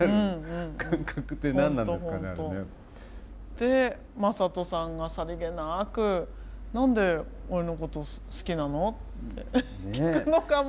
でまさとさんがさりげなく「何で俺のこと好きなの？」って聞くのがもう。